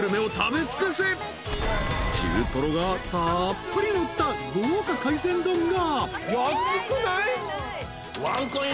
［中トロがたっぷりのった豪華海鮮丼が］